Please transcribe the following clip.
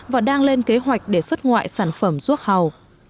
và đang lên kế hoạch để xuất ngoại sản phẩm ruốc hầu